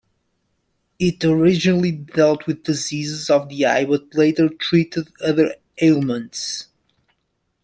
It originally dealt with diseases of the eye, but later treated other ailments.